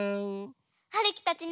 はるきたちね